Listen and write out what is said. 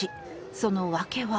その訳は。